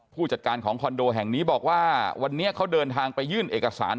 ผู้จัดการของคอนโดแห่งนี้บอกว่าวันนี้เขาเดินทางไปยื่นเอกสาร